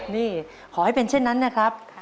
นี่ขอให้เป็นเช่นนั้นนะครับ